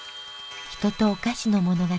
人とお菓子の物語。